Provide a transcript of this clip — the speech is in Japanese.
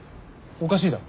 おかしいだろ？